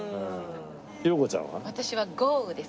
博子ちゃんは？